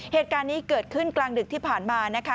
เหตุการณ์นี้เกิดขึ้นกลางดึกที่ผ่านมานะคะ